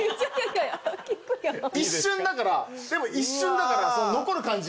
一瞬だからでも一瞬だから残る感じじゃない。